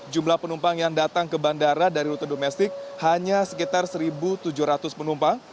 jumlah penumpang yang datang ke bandara dari rute domestik hanya sekitar satu tujuh ratus penumpang